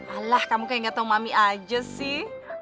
alah kamu kayak gak tau mami aja sih